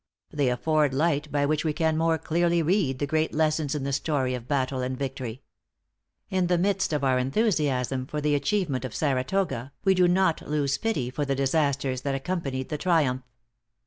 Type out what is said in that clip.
They afford light by which we can more clearly read the great lessons in the story of battle and victory. In the midst of our enthusiasm for the achievement of Saratoga, we do not lose pity for the disasters that accompanied the triumph.